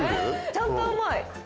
ちゃんと甘い！